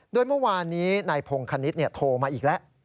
โดยเมื่อวานนี้นายพงคณิตโทรมาอีกแล้ว